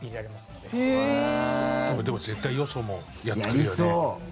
でも絶対よそもやってくるよね。